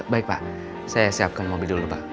baik pak saya siapkan mobil dulu pak